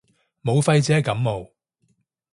武肺只係感冒